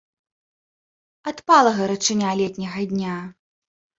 Адпала гарачыня летняга дня.